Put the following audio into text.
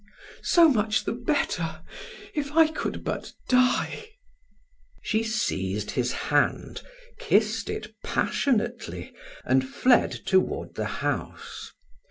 "So much the better; if I could but die!" She seized his hand, kissed it passionately, and fled toward the house.